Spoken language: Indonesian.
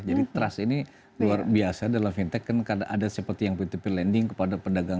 jadi trust ini luar biasa dalam fintech kan ada seperti yang ptp lending kepada pedagang